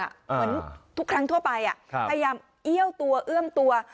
เหมือนทุกครั้งทั่วไปพยายามเอี้ยวตัวเอื้อมตัว